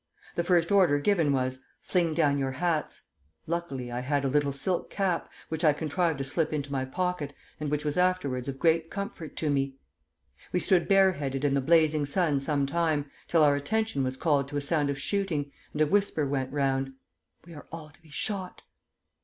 The first order given was, 'Fling down your hats!' Luckily I had a little silk cap, which I contrived to slip into my pocket, and which was afterwards of great comfort to me. We stood bare headed in the blazing sun some time, till our attention was called to a sound of shooting, and a whisper went round: 'We are all to be shot.'